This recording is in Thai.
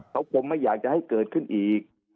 เขาคงไม่อยากจะให้เกิดขึ้นอีก